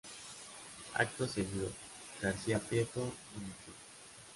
Acto seguido, García Prieto dimitió.